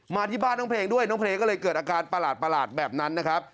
มาที่บ้านน้องเพลงด้วยน้องเพลงก็เลยเกิดอาการประหลาดแบบนั้นนะครับ